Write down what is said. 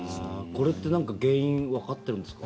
これってなんか原因わかってるんですか？